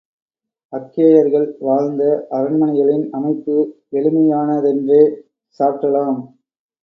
அக்கேயர்கள் வாழ்ந்த அரண்மனைகளின் அமைப்பு எளிமையானதென்றே சாற்றலாம்.